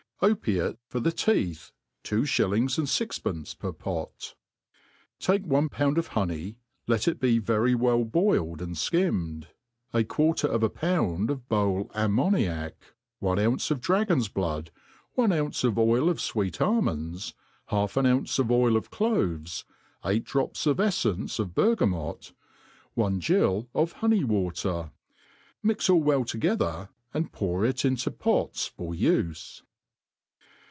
Opiate for the Teeth. — Two Shillings and Sixpence per Pot. TAKE one pdund of hdney, let it be very well boiled an4 Ikimmed, a quarter of a pound of hole ammoniac, one ounce of dragon's blood, one ounce of oil of fwect almonds, half an ounce of oil of cloves, eight drof)s of eflence of b^rgamot, onje gill of ho ney water ; mix all well together, and pour it into pots for ufe.